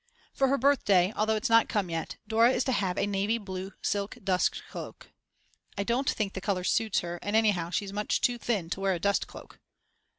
For her birthday, although it's not come yet, Dora is to have a navy blue silk dustcloak. I don't think the colour suits her, and anyhow she's much too thin to wear a dustcloak.